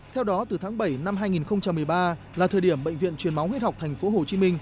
theo đó từ tháng bảy năm hai nghìn một mươi ba là thời điểm bệnh viện truyền máu huyết học tp hcm